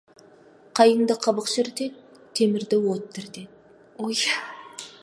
Қайыңды қабық шірітеді, темірді от ірітеді.